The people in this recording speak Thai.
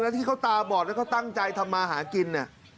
ที่เขาตาบอดแล้วเขาตั้งใจทำมาหากินเนี่ย